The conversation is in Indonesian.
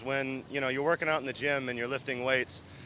ketika anda bekerja di atas atas atas dan memuatkan berat